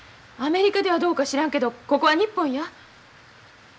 アメリカではどうか知らんけどここは日本や。